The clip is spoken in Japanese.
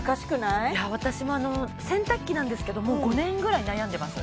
いや私も洗濯機なんですけどもう５年ぐらい悩んでます